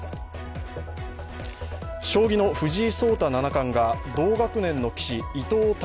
将棋の藤井聡太七冠が同学年の棋士伊藤匠